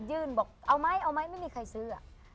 ยื่นบอกเอาไหมไม่มีใครซื้อ